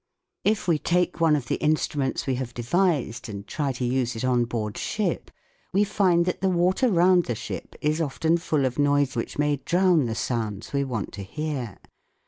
If we take one of the instruments we have devised and try to use it on board ship we SOUND IN WAR 171 find that the water round the ship is often full of noise which may drown the sounds we want to hear.